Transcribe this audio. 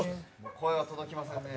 声が届きませんね。